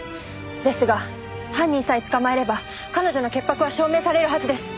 ですが犯人さえ捕まえれば彼女の潔白は証明されるはずです。